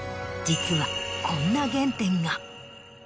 実はこんな原点が。